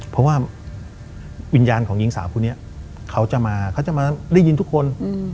เพราะว่าวิญญาณของหญิงสาวคนนี้เขาจะมาเขาจะมาได้ยินทุกคน